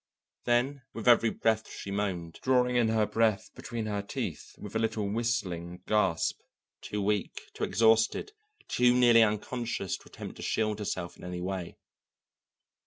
Then with every breath she moaned, drawing in her breath between her teeth with a little whistling gasp, too weak, too exhausted, too nearly unconscious to attempt to shield herself in any way.